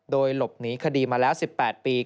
โดยหลบหนีคดีมาแล้ว๑๘ปี